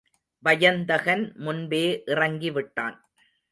வயந்தகன் முன்பே இறங்கி விட்டான்.